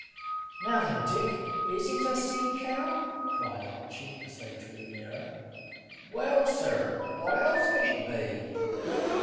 "Now, then, Dick, is it a sea cow?" cried Archy, as they drew nearer. "Well, sir, what else can it be?"